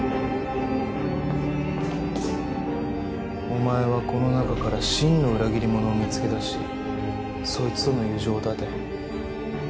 お前はこの中から真の裏切り者を見つけ出しそいつとの友情を絶て。